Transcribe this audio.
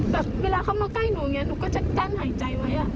แบบเวลาเขามาใกล้หนูหนูก็จะกั้นหายใจไว้